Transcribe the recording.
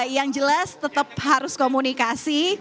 yang jelas tetap harus komunikasi